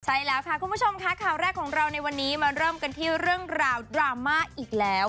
ใช่แล้วค่ะคุณผู้ชมค่ะข่าวแรกของเราในวันนี้มาเริ่มกันที่เรื่องราวดราม่าอีกแล้ว